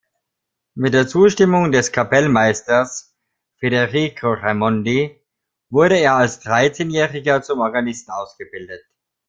Mit der Zustimmung des Kapellmeisters Federico Raimondi wurde er als Dreizehnjähriger zum Organisten ausgebildet.